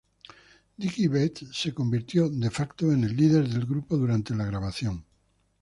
Dickey Betts se convirtió "de facto" en el líder del grupo durante la grabación.